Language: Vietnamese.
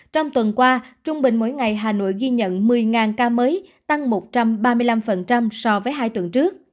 trong tuần qua trung bình mỗi ngày hà nội ghi nhận một mươi ca mới tăng một trăm ba mươi năm so với hai tuần trước